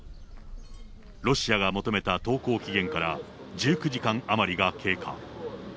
ロシアが求めた投降期限から１９時間余りが経過。